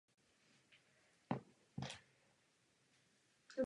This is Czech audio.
Tento projekt zároveň napomůže lepší kontrole obchodu s nelegálním zbožím.